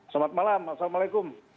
selamat malam assalamualaikum